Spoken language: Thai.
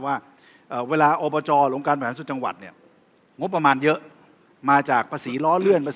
แล้วก็ประการต่อมาครับ